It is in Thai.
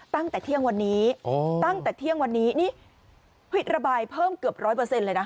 ตั้งแต่เที่ยงวันนี้ตั้งแต่เที่ยงวันนี้นี่ระบายเพิ่มเกือบร้อยเปอร์เซ็นต์เลยนะ